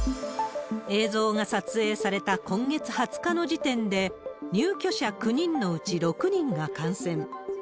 映像が撮影された今月２０日の時点で、入居者９人のうち６人が感染。